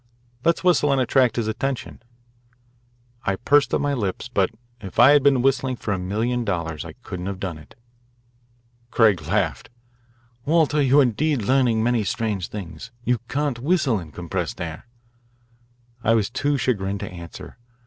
"Let's whistle and attract his attention. I pursed up my lips, but if I had been whistling for a million dollars I couldn't have done it. Craig laughed. "Walter, you are indeed learning many strange things. You can't whistle in compressed air. I was too chagrined to answer.